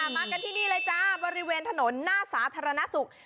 มากันที่นี่เลยจ้าบริเวณถนนหน้าสาธารณสุข